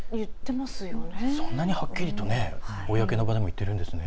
そんなに、はっきりと公の場でも言ってるんですね。